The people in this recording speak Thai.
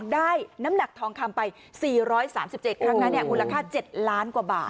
ได้น้ำหนักทองคำไป๔๓๗ครั้งนั้นเนี่ยอุณหาค่า๗ล้านกว่าบาท